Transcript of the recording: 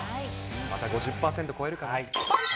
また５０％超えるかな。